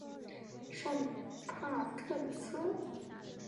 圣帕特里斯。